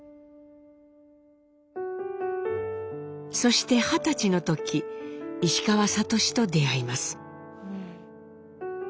そして二十歳の時石川智と出会います。